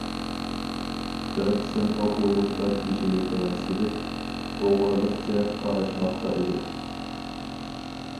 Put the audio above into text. بىر قىسىم ئوقۇغۇچىلار بېشىنى تۆۋەن سېلىپ، ئوغرىلىقچە قاراشماقتا ئىدى.